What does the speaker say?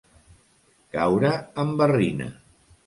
Caure en barrina.